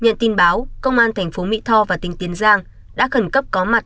nhận tin báo công an thành phố mỹ tho và tỉnh tiên giang đã khẩn cấp có mặt